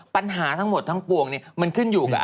ปัญหาทั้งหมดทั้งปวงมันขึ้นอยู่กับ